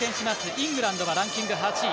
イングランドはランキング８位。